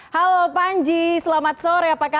halo panji selamat sore apa kabar